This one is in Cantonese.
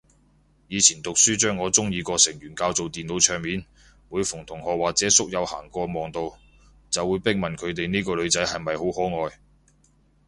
以前讀書將我鍾意個成員較做電腦桌面，每逢同學或者宿友行過望到，就會逼問佢哋呢個女仔係咪好可愛